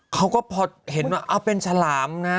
เขาก็พอเห็นว่าเอาเป็นฉลามนะ